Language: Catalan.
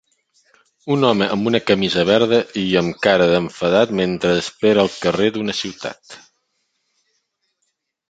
Un home amb una camisa verda i amb cara d'enfadat mentre espera al carrer d'una ciutat